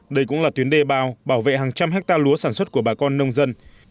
đây cũng là tuyến đề bao bảo vệ hàng trăm hectare lúa sản xuất của bà con nông dân